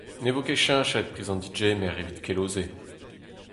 Ne vo ket cheñchet priz an degemer evit kelo-se.